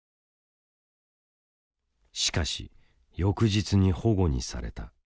しかし翌日にほごにされた。